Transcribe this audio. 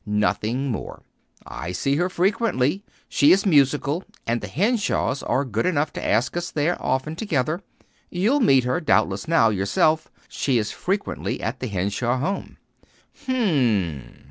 "Nothing more. I see her frequently. She is musical, and the Henshaws are good enough to ask us there often together. You will meet her, doubtless, now, yourself. She is frequently at the Henshaw home." "Hm m."